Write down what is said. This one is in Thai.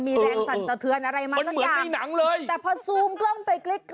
มีแรงอร่อยมากแต่พอซูมคลิ๊กใกล้ถูก